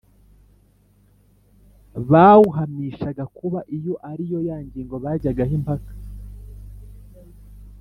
bawuhamishaga kuba iyo ari yo ngingo bajyagaho impaka